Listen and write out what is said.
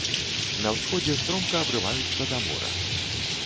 На ўсходзе стромка абрываюцца да мора.